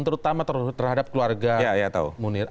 terutama terhadap keluarga munir